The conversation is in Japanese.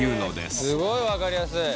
すごい分かりやすい。